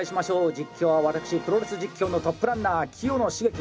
実況は私、プロレス実況のトップランナー清野茂樹。